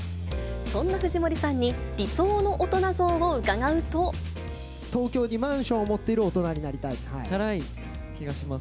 そんな藤森さんに、理想の大東京にマンションを持っていちゃらい気がします。